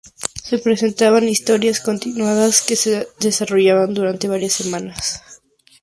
Se presentaban historias continuadas que se desarrollaban durante varias semanas.